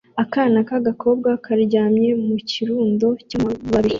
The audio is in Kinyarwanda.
Akana k'agakobwa karyamye mu kirundo cy'amababi